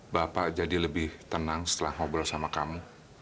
bapak jadi lebih tenang setelah ngobrol sama kamu